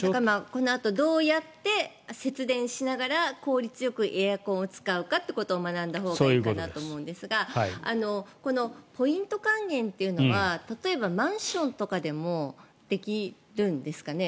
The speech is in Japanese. このあとどうやって節電しながら効率よくエアコンを使うかということを学んだほうがいいと思うんですがポイント還元というのは例えばマンションとかでもできるんですかね？